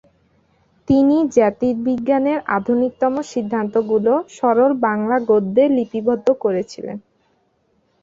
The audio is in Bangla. তিনি জ্যোতির্বিজ্ঞানের আধুনিকতম সিদ্ধান্তগুলি সরল বাংলা গদ্যে লিপিবদ্ধ করেছিলেন।